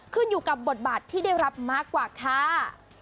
ขึ้นอยู่กับบทบาทที่ได้รับมากกว่าค่ะ